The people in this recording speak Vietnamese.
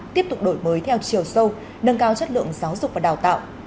tiếp tục đổi mới theo chiều sâu nâng cao chất lượng giáo dục và đào tạo